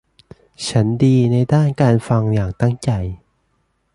ฉันดีในด้านการฟังอย่างตั้งใจ